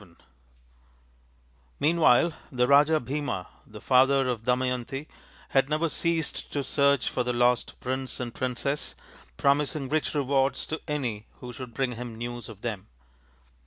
VII Meanwhile the Raja Bhima, the father of Dama yanti, had never ceased to search for the lost prince and princess, promising rich rewards to any who should bring him news of them.